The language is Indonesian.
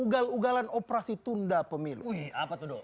ugal ugalan operasi tunda pemilu